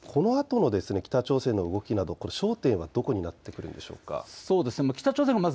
このあとの北朝鮮の動きなど焦点はどこになってくるでしょうか。